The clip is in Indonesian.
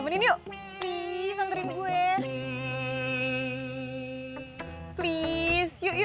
udah ga ada yang ngeliat